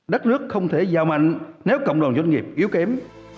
đất nước không thể giàu mạnh nếu cộng đồng doanh nghiệp yếu kém